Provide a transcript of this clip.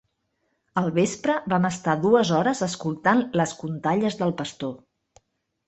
Al vespre vam estar dues hores escoltant les contalles del pastor.